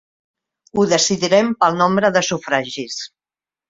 Ho decidirem pel nombre de sufragis.